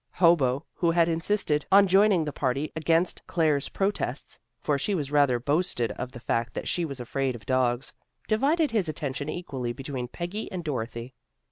Hobo who had insisted on joining the party against Claire's protests, for she rather boasted of the fact that she was afraid of dogs, divided his attention equally between Peggy and Dorothy.